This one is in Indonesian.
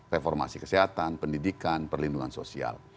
reformasi kesehatan pendidikan perlindungan sosial